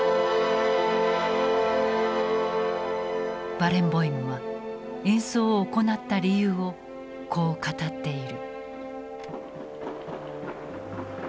バレンボイムは演奏を行った理由をこう語っている。